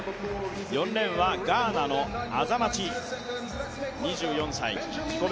４レーンはガーナのアザマチ、２４歳自己